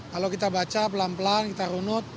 kalau kita baca pelan pelan kita runut